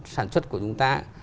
sản xuất của chúng ta